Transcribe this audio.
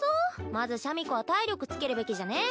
まずシャミ子は体力つけるべきじゃね？